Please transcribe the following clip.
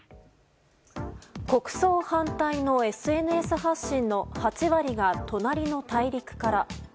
国葬反対のＳＮＳ発信の８割が隣の大陸から。